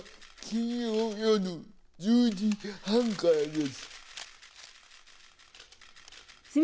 金曜夜１０時半です。